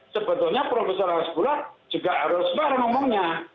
sebetulnya prof hasmullah juga harus bahar ngomongnya